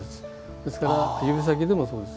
ですから指先でもそうです。